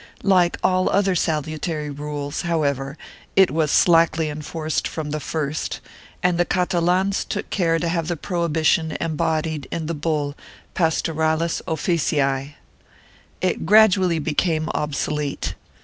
V] OFFICIALS AS TRADERS 535 all other salutary rules, however, it was slackly enforced from the first and the Catalans took care to have the prohibition embodied in the bull Pastoralis officii. It gradually became obsolete.